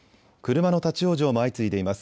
車の立往生も相次いでいます。